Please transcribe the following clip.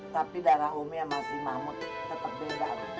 tapi darah umi yang masih mamut tetep berbeda